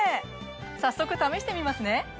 早速試してみますね！